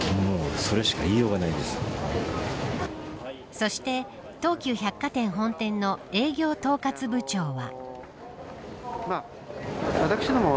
そして、東急百貨店本店の営業統括部長は。